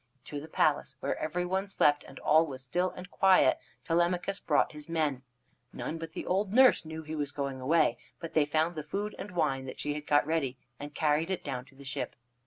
To the palace, where every one slept and all was still and quiet, Telemachus brought his men. None but the old nurse knew he was going away, but they found the food and wine that she had got ready and carried it down to the ship.